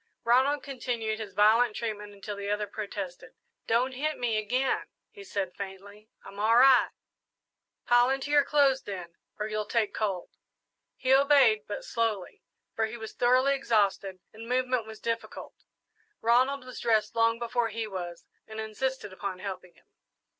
Ronald continued his violent treatment until the other protested. "Don't hit me again," he said faintly, "I'm all right!" "Pile into your clothes, then, or you'll take cold." He obeyed, but slowly, for he was thoroughly exhausted and movement was difficult. Ronald was dressed long before he was, and insisted upon helping him.